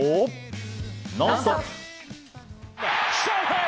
「ノンストップ！」。